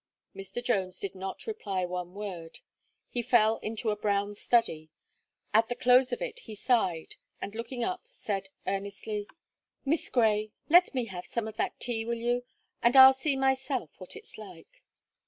Mr. Jones did not reply one word; he fell into a brown study; at the close of it he sighed, and looking up, said earnestly: "Miss Gray, let me have some of that tea, will you? and I'll see myself what it's like."